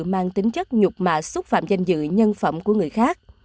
mang tính chất nhục mạ xúc phạm danh dự nhân phẩm của người khác